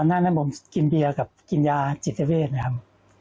หน้านั้นผมกินเบียร์กับกินยาจิตเวทนะครับ